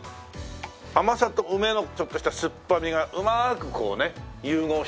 甘さと梅のちょっとした酸っぱみがうまーくこうね融合した感じで。